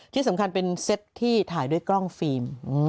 ที่สำคัญเป็นเซตที่ถ่ายด้วยกล้องฟิล์ม